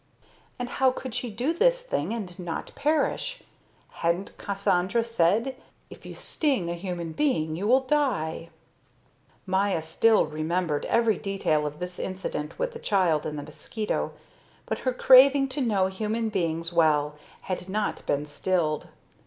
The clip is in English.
And how could she do this thing and not perish? Hadn't Cassandra said: "If you sting a human being, you will die?" Maya still remembered every detail of this incident with the child and the mosquito, but her craving to know human beings well had not been stilled.